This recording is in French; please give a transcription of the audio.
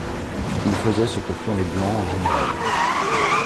Ils faisaient ce que font les Blancs en général.